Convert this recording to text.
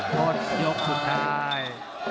โทษยกสุดท้าย